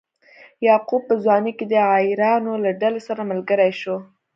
یعقوب په ځوانۍ کې د عیارانو له ډلې سره ملګری شو.